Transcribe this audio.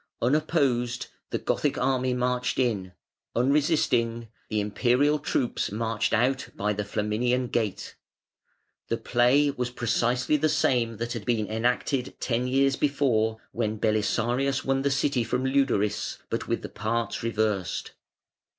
Unopposed, the Gothic army marched in, unresisting, the Imperial troops marched out by the Flaminian Gate. The play was precisely the same that had been enacted ten years before when Belisarius won the city from Leudaris, but with the parts reversed.